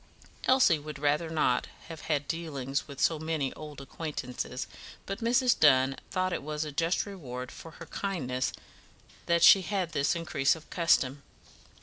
Elsie would rather not have had dealings with so many old acquaintances, but Mrs. Dunn thought it was a just reward for her kindness that she had this increase of custom.